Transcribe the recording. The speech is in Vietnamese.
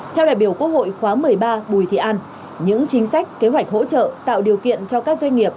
theo đại biểu quốc hội khóa một mươi ba bùi thị an những chính sách kế hoạch hỗ trợ tạo điều kiện cho các doanh nghiệp